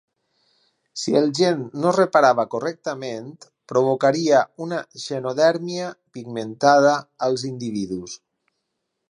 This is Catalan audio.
Si el gen no es reparava correctament, provocaria una xerodèrmia pigmentada als individus.